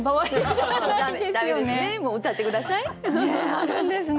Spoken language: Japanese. あるんですね。